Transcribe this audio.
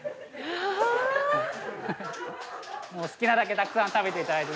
好きなだけたくさん食べていただいて。